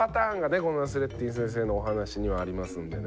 このナスレッディン先生のお話にはありますんでね。